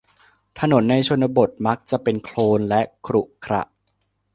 ถนนในชนบทมักจะเป็นโคลนและขรุขระ